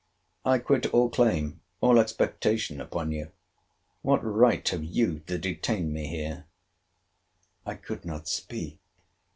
—I quit all claim, all expectation, upon you—what right have you to detain me here? I could not speak.